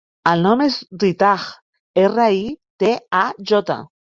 El nom és Ritaj: erra, i, te, a, jota.